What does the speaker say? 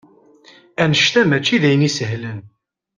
Annect-a akk mačči d ayen isehlen.